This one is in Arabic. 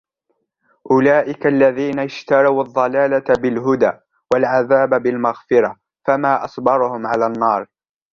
أولئك الذين اشتروا الضلالة بالهدى والعذاب بالمغفرة فما أصبرهم على النار